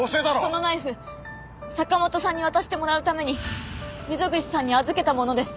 そのナイフ坂元さんに渡してもらうために溝口さんに預けたものです。